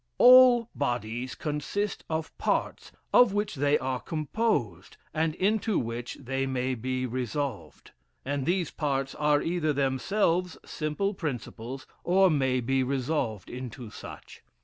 "All bodies consist of parts, of which they are composed, and into which they may be resolved; and these parts are either themselves simple principles, or may be resolved into such.